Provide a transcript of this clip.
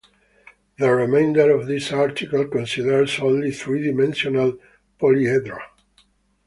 The remainder of this article considers only three-dimensional polyhedra.